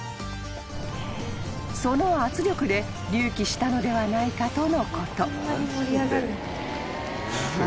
［その圧力で隆起したのではないかとのこと］